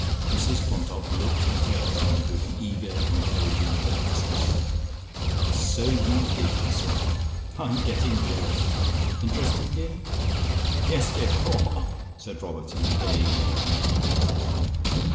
Mrs Quantock looked at her husband with an eager encouraging earnestness. "So you did!" she said. "I'm getting jealous. Interesting, dear?" "Yes, dear, haw, haw," said Robert, and again their eyes met.